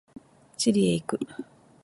チリへ行く。